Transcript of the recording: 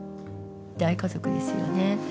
大家族ですよね。